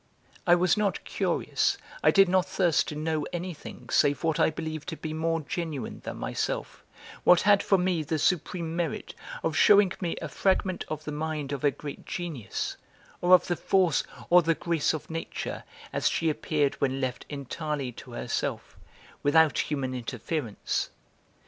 I was not curious, I did not thirst to know anything save what I believed to be more genuine than myself, what had for me the supreme merit of shewing me a fragment of the mind of a great genius, or of the force or the grace of nature as she appeared when left entirely to herself, without human interference.